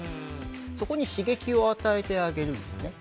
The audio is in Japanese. そこに刺激を与えてあげるんですね。